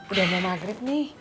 udah mau maghrib nih